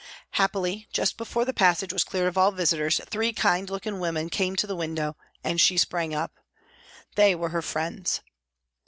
Happily, just before the passage was cleared of all visitors, three kind looking women came to the window and she sprang up. They were her friends.